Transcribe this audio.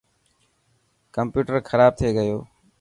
ڪمپيوٽر کراب ٿي گيو.